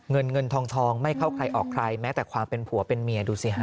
เงินเงินทองไม่เข้าใครออกใครแม้แต่ความเป็นผัวเป็นเมียดูสิฮะ